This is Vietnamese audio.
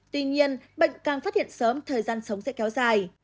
tuy nhiên bệnh càng phát hiện sớm thời gian sống sẽ kéo dài